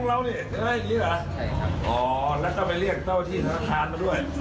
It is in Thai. อ๋อแล้วก็ไปเรียกเจ้าที่ธนาคารมาด้วย